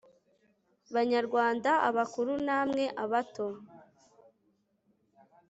banyarwanda abakuru namwe abato